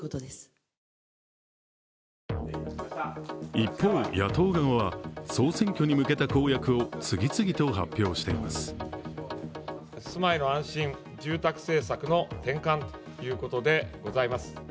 一方、野党側は総選挙に向けた公約を次々と発表しています。